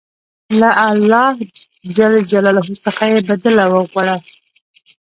له الله ج څخه بدله وغواړه.